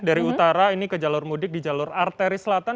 dari utara ini ke jalur mudik di jalur arteri selatan